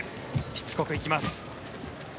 しつこく行きます。